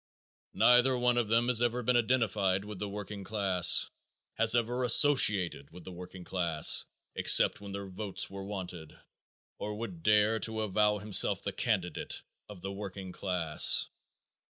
Neither one of them has ever been identified with the working class, has ever associated with the working class, except when their votes were wanted, or would dare to avow himself the candidate of the working class.